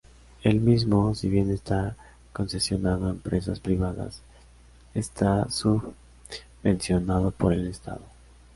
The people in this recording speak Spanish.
El mismo, si bien está concesionado a empresas privadas, está subvencionado por el estado.